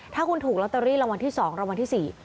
ถ้าคุณถูกลอตเตอรี่รางวัลที่๒รางวัลที่๔